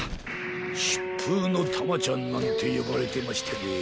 「しっぷうのタマちゃん」なんてよばれてましてねえ。